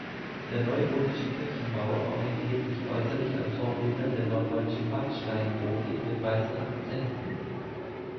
Der neugotische Kirchenbau orientiert sich äußerlich an Vorbildern der norddeutschen Backsteingotik mit weißen Akzenten.